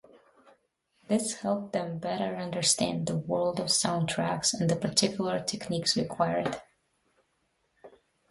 This helped them better understand the world of soundtracks and the particular techniques required.